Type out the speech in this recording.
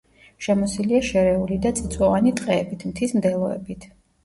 შემოსილია შერეული და წიწვოვანი ტყეებით, მთის მდელოებით.